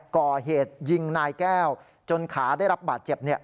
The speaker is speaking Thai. ก่อเหตุยิงนายแก้วจนขาได้รับบาดเจ็บ